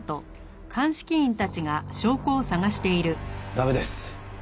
駄目です。